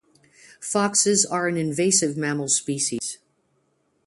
Foxes are an invasive mammal species.